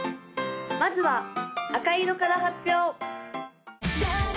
まずは赤色から発表！